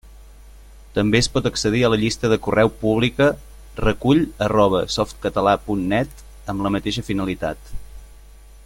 També es pot accedir a la llista de correu pública recull@softcatala.net amb la mateixa finalitat.